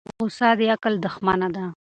غصه د عقل دښمنه ده.